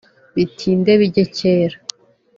Bitinde bijye kera